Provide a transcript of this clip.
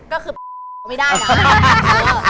ก็คือเอาไม่ได้นะ